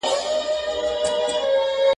سوله د خوشحال ژوند نښه ده.